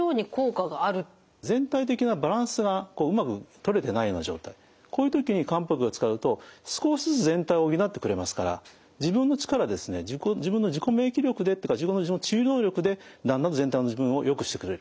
全体的なバランスがうまくとれてないような状態こういう時に漢方薬を使うと少しずつ全体を補ってくれますから自分の力で自分の自己免疫力でっていうか自分の治癒能力でだんだん全体の自分をよくしてくれる。